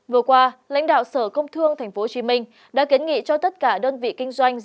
vừa qua lãnh đạo sở công thương tp hcm đã kiến nghị cho tất cả đơn vị kinh doanh